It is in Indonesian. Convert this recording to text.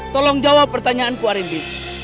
tolong jawab pertanyaanku harimbi